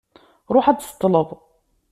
Ṛuḥ ad d-tseṭṭleḍ.